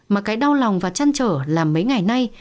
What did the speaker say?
mà cái đau lòng và chăn trở là mấy ngày nay